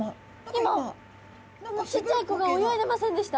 今ちっちゃい子が泳いでませんでした？